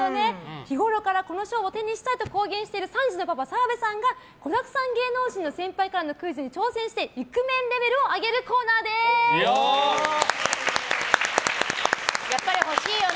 日ごろからこの賞を手にしたいと公言している３児のパパ澤部さんが子だくさん芸能人からのクイズに挑戦してイクメンレベルをやっぱり欲しいよね